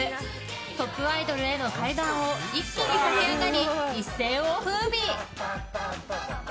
トップアイドルへの階段を一気に駆け上がり、一世を風靡！